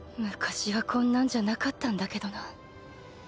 昔はこんなんじゃなかったんだけどな